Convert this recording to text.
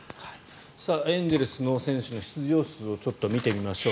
エンゼルスの選手の出場数を見てみましょう。